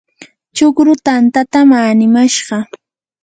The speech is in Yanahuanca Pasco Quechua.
chukru tantatam awnimashqa.